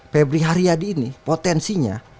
pebri haryadi ini potensinya